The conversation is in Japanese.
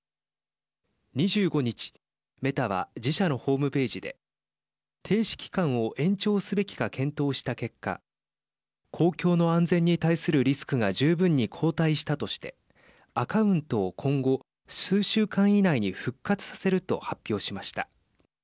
２５日メタは自社のホームページで停止期間を延長すべきか検討した結果公共の安全に対するリスクが十分に後退したとしてアカウントを今後数週間以内に復活させると発表しました。